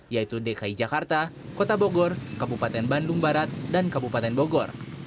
yaitu dki jakarta kota bogor kabupaten bandung barat dan kabupaten bogor